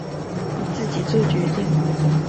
你自己作決定